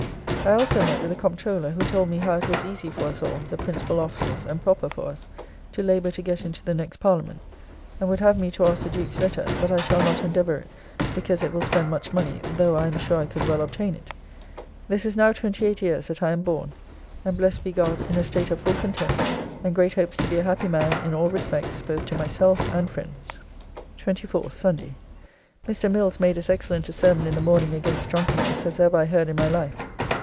I also met with the Comptroller, who told me how it was easy for us all, the principal officers, and proper for us, to labour to get into the next Parliament; and would have me to ask the Duke's letter, but I shall not endeavour it because it will spend much money, though I am sure I could well obtain it. This is now 28 years that I am born. And blessed be God, in a state of full content, and great hopes to be a happy man in all respects, both to myself and friends. 24th (Sunday). Mr. Mills made as excellent a sermon in the morning against drunkenness as ever I heard in my life.